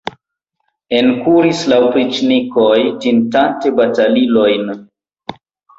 Enkuris la opriĉnikoj, tintante batalilojn.